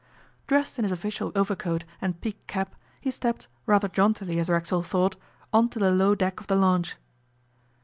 Dressed in his official overcoat and peaked cap, he stepped, rather jauntily as Racksole thought, on to the low deck of the launch.